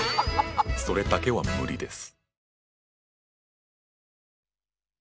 それだけは無理です。